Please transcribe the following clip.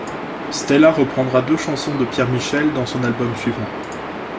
Stella reprendra deux chansons de Pierre-Michel dans son album suivant.